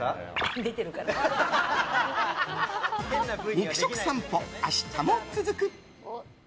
肉食さんぽ、明日も続く。